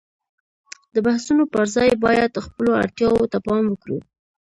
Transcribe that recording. د بحثونو پر ځای باید خپلو اړتياوو ته پام وکړو.